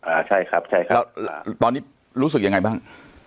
อ่าใช่ครับใช่ครับแล้วตอนนี้รู้สึกยังไงบ้าง